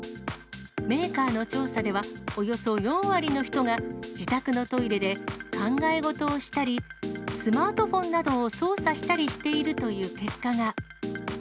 メーカーの調査では、およそ４割の人が自宅のトイレで考え事をしたり、スマートフォンなどを操作したりしているという結果が。